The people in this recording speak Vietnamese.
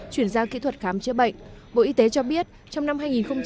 chuyển giao kỹ thuật khám chữa bệnh bộ y tế cho biết trong năm hai nghìn một mươi bảy